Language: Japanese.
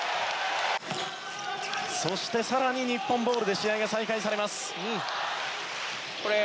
そして更に、日本ボールで試合が再開されます。